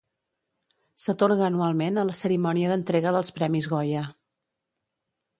S'atorga anualment en la cerimònia d'entrega dels Premis Goya.